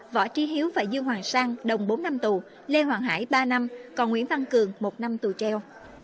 võ trí hiếu và dương hoàng sang đồng bốn năm tù lê hoàng hải ba năm còn nguyễn văn cường một năm tù treo